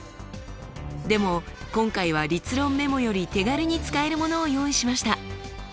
でも今回は立論メモより手軽に使えるものを用意しました。